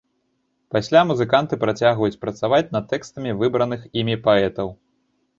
Пасля музыканты працягваюць працаваць над тэкстамі выбраных імі паэтаў.